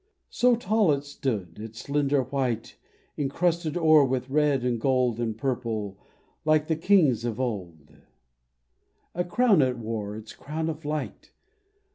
So tall it stood, its slender white Encrusted o'er with red and gold And purple ; like the kings of old, A crown it wore, its crown of light.